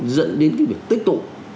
dẫn đến cái việc tích tụ